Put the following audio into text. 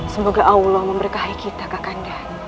semoga allah memberkahi kita kak kandahan